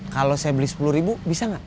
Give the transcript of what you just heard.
kalau saya beli sepuluh ribu bisa gak